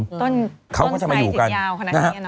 ต้นไส่สิบยาวขนาดนี้เนอะ